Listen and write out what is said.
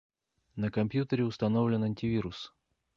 На компьютере установлен антивирус